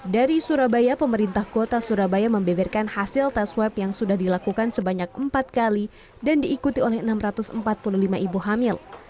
dari surabaya pemerintah kota surabaya membeberkan hasil tes swab yang sudah dilakukan sebanyak empat kali dan diikuti oleh enam ratus empat puluh lima ibu hamil